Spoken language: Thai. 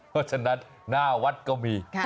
เพราะฉะนั้นหน้าวัดก็มี